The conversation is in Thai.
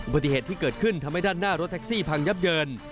ปฏิเหตุที่เกิดขึ้นทำให้ด้านหน้ารถแท็กซี่พังยับเยิน